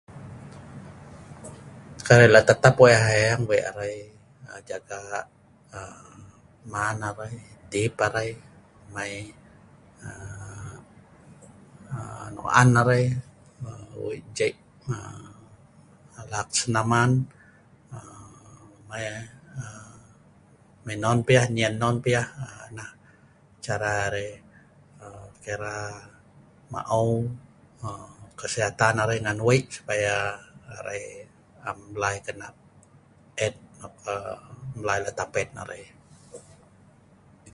kai arai lak tetap wei ahaeng wei arai jaga aa man arai, dip arai, mai aa nok an arai, wei jeie' alak senaman aa mai non piye non piye nah cara arai aa ke'ra ma'eu kesihatan arai ngan wei supaya arai am mlai lak kena et nok mlai lak tapet wan arai